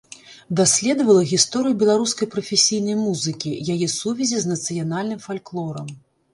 Даследавала гісторыю беларускай прафесійнай музыкі, яе сувязі з нацыянальным фальклорам.